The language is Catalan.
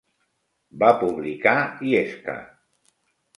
Va publicar "Yesca".